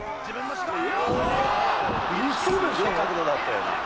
すげえ角度だったよな。